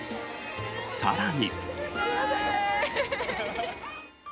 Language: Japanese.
更に。